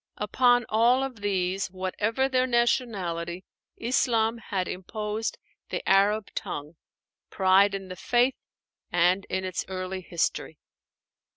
Upon all of these, whatever their nationality, Islam had imposed the Arab tongue, pride in the faith and in its early history.